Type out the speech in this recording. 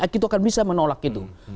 kita akan bisa menolak itu